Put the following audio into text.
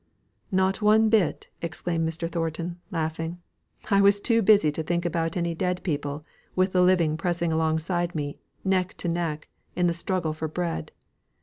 "Not one bit!" exclaimed Mr. Thornton, laughing. "I was too busy to think about any dead people, with the living pressing alongside of me, neck to neck, in the struggle for bread.